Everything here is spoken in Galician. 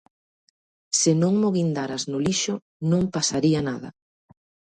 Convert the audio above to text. _Se non mo guindaras no lixo non pasaría nada.